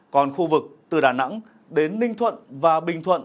còn khu vực từ đà nẵng đến ninh thuận và bình thuận